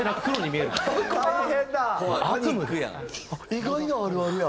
意外なあるあるや。